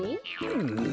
うん。